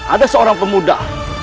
ada seorang pemuda